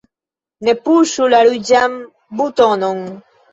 Ne puŝu la ruĝan butonon!